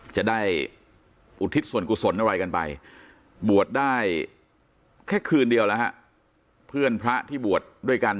จะได้อุทิศส่วนกุศลอะไรกันไปบวชได้แค่คืนเดียวแล้วฮะเพื่อนพระที่บวชด้วยกัน